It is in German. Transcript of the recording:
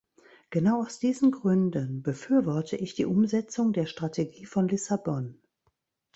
Genau aus diesen Gründen befürworte ich die Umsetzung der Strategie von Lissabon.